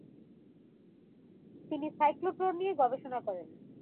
তিনি সাইক্লোট্রন নিয়ে গবেষণা করেন।